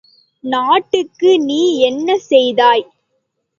நாட்டுக்கு நீ என்ன செய்தாய்?